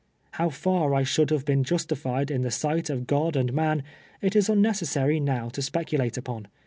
How fiir I Siionld liave been justified in tlie siglit of God and man, it is unnecessary now to speculate upon.